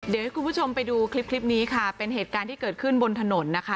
เดี๋ยวให้คุณผู้ชมไปดูคลิปคลิปนี้ค่ะเป็นเหตุการณ์ที่เกิดขึ้นบนถนนนะคะ